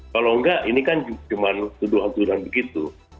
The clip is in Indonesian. kalau tidak ini kan cuma tuduhan tuduhan begitu